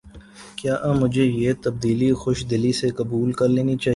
کیا مجھے یہ تبدیلی خوش دلی سے قبول کر لینی چاہیے؟